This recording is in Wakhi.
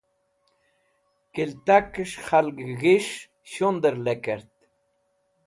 Kiltakẽs̃h khalgẽ g̃his̃h shundẽr lekẽrt.